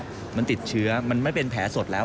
แล้วกลัวว่าแผลมันติดเชื้อมันไม่เป็นแผลสดแล้ว